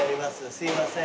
すいません。